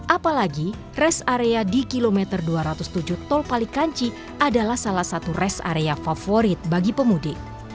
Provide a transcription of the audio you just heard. apalagi rest area di kilometer dua ratus tujuh tol palikanci adalah salah satu rest area favorit bagi pemudik